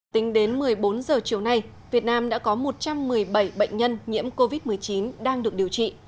tính đến một mươi bốn h chiều nay việt nam đã có một trăm một mươi bảy bệnh nhân nhiễm covid một mươi chín đang được điều trị